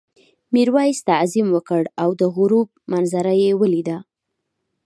میرويس تعظیم وکړ او د غروب منظره یې ولیده.